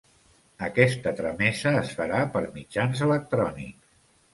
Aquesta tramesa es farà per mitjans electrònics.